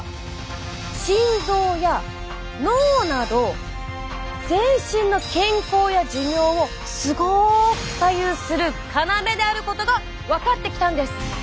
心臓や脳など全身の健康や寿命をすごく左右する要であることが分かってきたんです！